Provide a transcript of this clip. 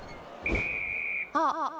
あっ！